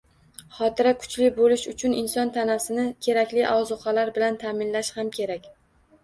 Xotira kuchli bo‘lishi uchun inson tanasini kerakli ozuqalar bilan ta’minlash ham kerak.